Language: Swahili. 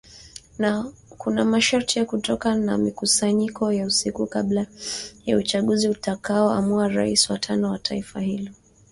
Na kuna masharti ya kutoka na mikusanyiko ya usiku kabla ya uchaguzi utakao amua rais wa tano wa taifa hilo.